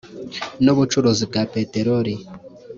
n ubucuruzi bwa peterori